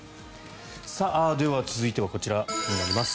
では、続いてはこちらになります。